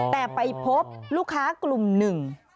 แต่ไปพบลูกค้ากลุ่มหนึ่ง